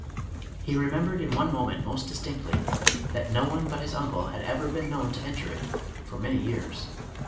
He remembered in one mo ment most distinctly, that no one but his uncle had ever been known to enter it for many years.